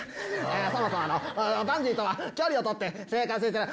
そもそもバンジーとは距離を取って生活してる。